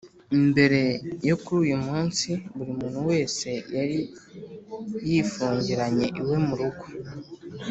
mbere yo kuri uyu munsi, buri muntu wese yari yifungiranye iwe mu rugo